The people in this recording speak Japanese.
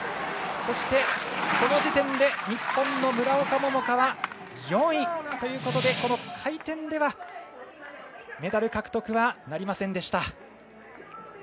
そして、この時点で日本の村岡桃佳は４位ということで回転ではメダル獲得はなりませんでした。